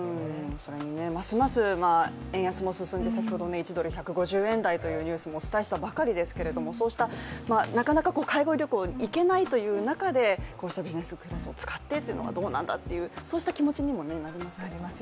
ますます円安も進んで、先ほど１ドル＝１５０円台というニュースもお伝えしたばかりですけれども、なかなか海外旅行に行けないという中で、こうしたビジネスクラスを使ってというのはどうなんだという気持ちにもなりますね。